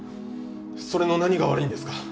それの何が悪いんですか？